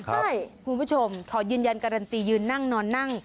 ใช่คุณผู้ชมขอยืนยันการันตียืนนั่งนอนนั่ง